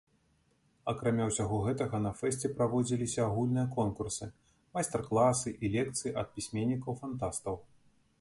Акрамя ўсяго гэтага на фэсце праводзіліся агульныя конкурсы, майстар-класы і лекцыі ад пісьменнікаў-фантастаў.